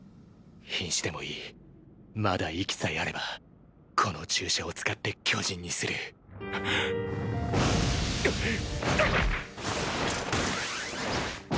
瀕死でもいいまだ息さえあればこの注射を使って巨人にするはっ。